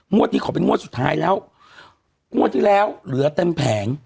นี้ขอเป็นงวดสุดท้ายแล้วงวดที่แล้วเหลือเต็มแผง